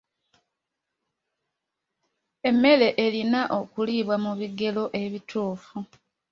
Emmere erina okuliibwa mu bigero ebituufu.